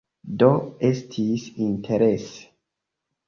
Do, estis interese